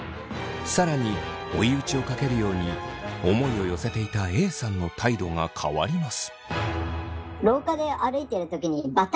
更に追い打ちをかけるように思いを寄せていたＡさんの態度が変わります。